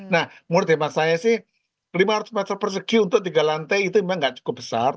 nah menurut hemat saya sih lima ratus meter persegi untuk tiga lantai itu memang nggak cukup besar